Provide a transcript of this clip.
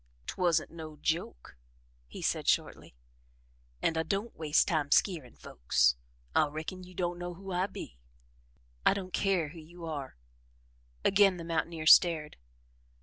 "Twusn't no joke," he said shortly. "An' I don't waste time skeering folks. I reckon you don't know who I be?" "I don't care who you are." Again the mountaineer stared.